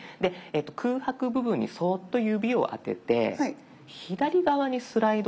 空白部分にそっと指をあてて左側にスライドさせてみましょう。